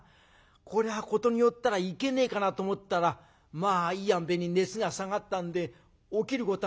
これは事によったらいけねえかなと思ったらまあいいあんばいに熱が下がったんで起きることができた。